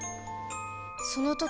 その時